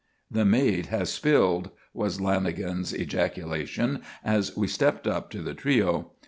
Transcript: _" "The maid has spilled!" was Lanagan's ejaculation as we stepped up to the trio.